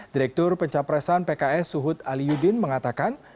direktur pencapresan pks suhud ali yudin mengatakan